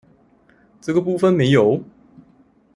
這個部分沒有？